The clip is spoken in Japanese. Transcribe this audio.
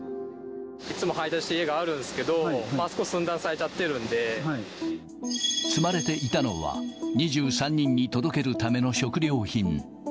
いつも配達している家があるんですけど、積まれていたのは、２３人に届けるための食料品。